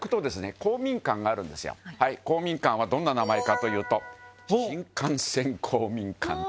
呂公民館はどんな名前かというと新幹線公民館」と。